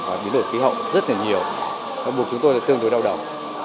và biến đổi khí hậu rất là nhiều nó buộc chúng tôi là tương đối đau đầu